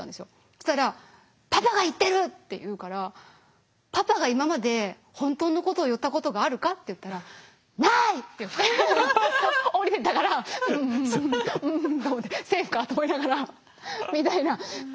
そしたら「パパが言ってる！」って言うから「パパが今まで本当のことを言ったことがあるか？」って言ったら「ない！」って言って下りていったからうんうんと思ってセーフかと思いながらみたいな感じはありましたね。